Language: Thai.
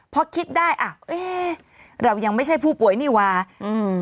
พอคิดได้อ่ะเอ๊ะเรายังไม่ใช่ผู้ป่วยนี่ว่าอืม